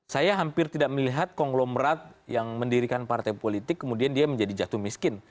saya hampir tidak melihat konglomerat yang mendirikan partai politik kemudian dia menjadi jatuh miskin